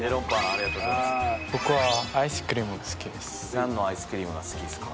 何のアイスクリームが好きですか？